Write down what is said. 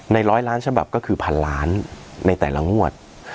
ร้อยล้านฉบับก็คือพันล้านในแต่ละงวด